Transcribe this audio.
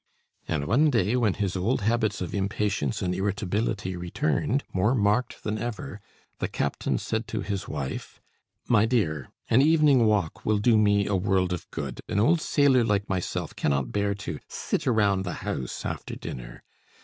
And one day, when his old habits of impatience and irritability reappeared, more marked than ever, the captain said to his wife: "My dear, an evening walk will do me a world of good; an old sailor like myself cannot bear to sit around the house after dinner.